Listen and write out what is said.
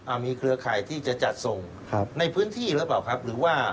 มีเครือข่ายที่จะจัดส่งครับในพื้นที่หรือเปล่าครับหรือว่า